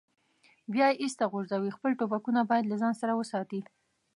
بیا یې ایسته غورځوي، خپل ټوپکونه باید له ځان سره وساتي.